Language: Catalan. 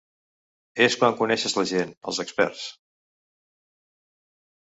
És quan coneixes la gent, els experts.